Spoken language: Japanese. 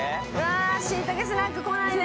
しいたけスナックこないで！